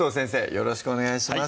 よろしくお願いします